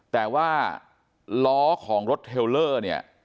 แต่ว่าล้อของรถเทลเลอร์เนี่ย